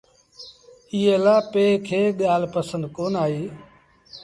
ايئي لآ پي کي ڳآج پنسند ڪونا آئيٚ۔